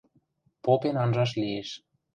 – Попен анжаш лиэш...